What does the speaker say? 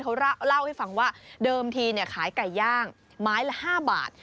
เขาเล่าให้ฟังว่าเดิมทีขายไก่ย่างไม้ละ๕บาท